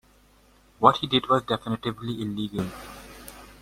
What he did was definitively illegal.